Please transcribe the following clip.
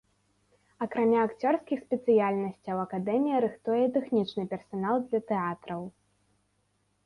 Акрамя акцёрскіх спецыяльнасцяў акадэмія рыхтуе і тэхнічны персанал для тэатраў.